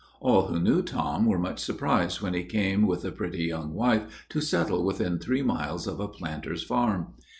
All who knew Tom were much surprised when he came, with a pretty young wife, to settle within three miles of a planter's farm.